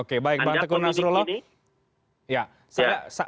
oke baik bang teguh nasrullah